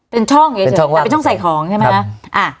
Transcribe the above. เป็นช่องเงี้ยเฉยเฉยเป็นช่องใส่ของใช่ไหมฮะอ่า